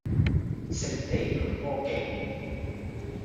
聖地牙哥徑